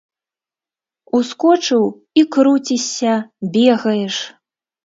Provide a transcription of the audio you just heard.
Ускочыў і круцішся, бегаеш.